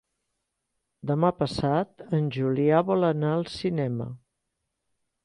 Demà passat en Julià vol anar al cinema.